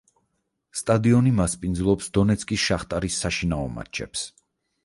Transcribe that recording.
სტადიონი მასპინძლობს დონეცკის „შახტარის“ საშინაო მატჩებს.